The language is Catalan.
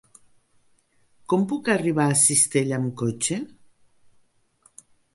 Com puc arribar a Cistella amb cotxe?